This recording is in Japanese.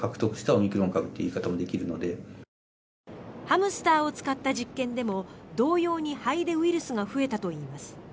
ハムスターを使った実験でも同様に肺でウイルスが増えたといいます。